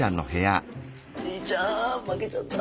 おじいちゃん負けちゃった。